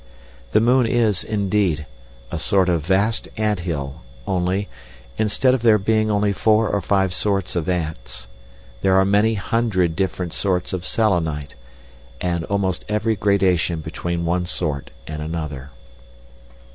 The moon is, indeed, a sort of vast ant hill, only, instead of there being only four or five sorts of ant, there are many hundred different sorts of Selenite, and almost every gradation between one sort and another.